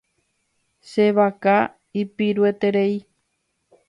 Che vaka ipirueterei.